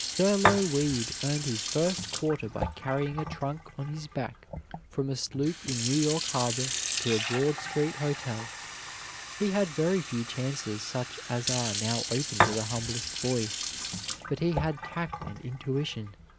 Thurlow Weed earned his first quarter by carrying a trunk on his back from a sloop in New York harbor to a Broad Street hotel. He had very few chances such as are now open to the humblest boy, but he had tact and intuition.